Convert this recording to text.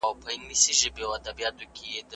پسرلي صاحب د غزل په هره برخه کې نوښتونه کړي دي.